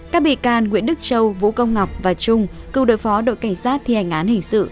các bị can nguyễn đức châu vũ công ngọc và trung cựu đối phó đội cảnh sát thi hành án hình sự